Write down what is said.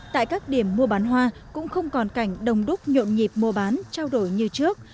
tại các điểm mua bán hoa cũng không còn cảnh đồng đúc nhộn nhịp mua bán trao đổi như trước